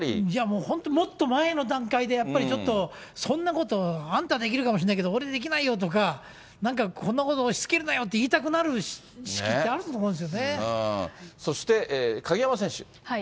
いや、本当、もっと前の段階でやっぱりちょっと、そんなことあんたはできるかもしれないけど、俺はできないよとか、なんか、こんなこと押しつけるなよって言いたくなる時期ってあると思うんそして、鍵山選手。